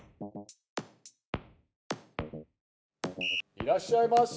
いらっしゃいませ！